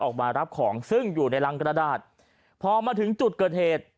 ออกมารับของซึ่งอยู่ในรังกระดาษพอมาถึงจุดเกิดเหตุ